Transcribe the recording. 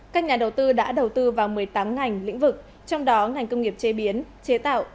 các nhà đầu tư đã đầu tư vào một mươi tám ngành lĩnh vực trong đó ngành công nghiệp chế biến chế tạo